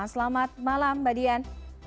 selamat malam mbak dian